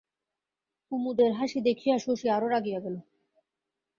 কুমুদের হাসি দেখিয়া শশী আরও রাগিয়া গেল।